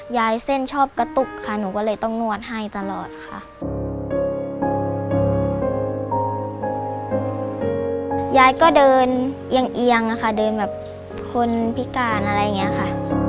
ยายก็เดินเอียงเอียงอะค่ะเดินแบบคนพิการอะไรอย่างเงี้ยค่ะ